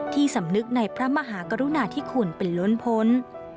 สำนึกในพระมหากรุณาธิคุณเป็นล้นพ้น